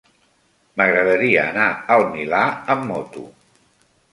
M'agradaria anar al Milà amb moto.